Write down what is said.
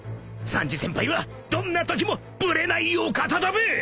［サンジ先輩はどんなときもブレないお方だべ］